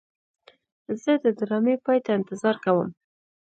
زه د ډرامې پای ته انتظار کوم.